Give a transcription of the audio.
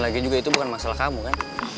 lagi juga itu bukan masalah kamu kan